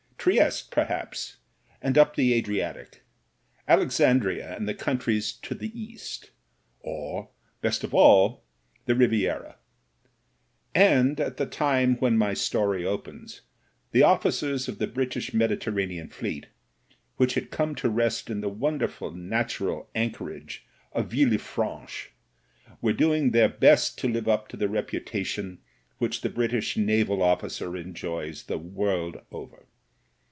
Trieste, perhaps, and up the Adri atic; Alexandria and the countries to the East; or, best of all, the Riviera. And at the time when my story opens the officers of the British Mediterranean Fleet, which had come to rest in the wonderful natu ral anchorage of Villefranche, were doing their best to live up to the reputation which the British naval officer enjoys the world over.